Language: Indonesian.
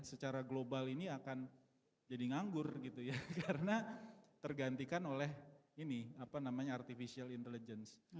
secara global ini akan jadi nganggur gitu ya karena tergantikan oleh ini apa namanya artificial intelligence